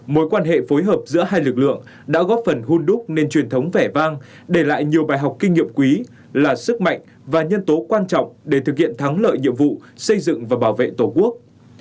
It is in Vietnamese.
mối quan hệ phối hợp giữa hai lực lượng đã góp phần hôn đúc nên truyền thống vẻ vang để lại nhiều bài học kinh nghiệm quý là sức mạnh và nhân tố quan trọng để thực hiện thắng lợi nhiệm vụ xây dựng và bảo vệ tổ quốc